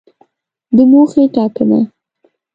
د موخې ټاکنه